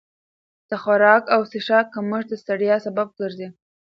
د خوراک او څښاک کمښت د ستړیا سبب ګرځي.